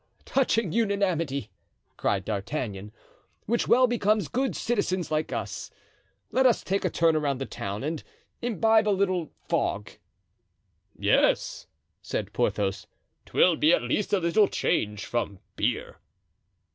"Touching unanimity!" cried D'Artagnan, "which well becomes good citizens like us. Let us take a turn around the town and imbibe a little fog." "Yes," said Porthos, "'twill be at least a little change from beer."